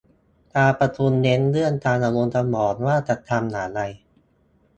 การประชุมเน้นเรื่องการระดมสมองว่าจะทำอย่างไร